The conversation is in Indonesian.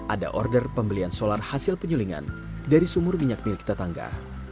ada order pembelian solar hasil penyulingan dari sumur minyak milik tetangga